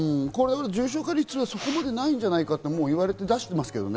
重症化率はそこまでないんじゃないかということも出してますけれどね。